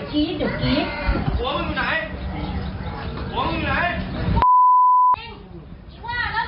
ให้มีอีกครั้งนึง